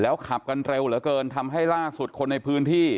ขับกันเร็วเหลือเกินทำให้ล่าสุดคนในพื้นที่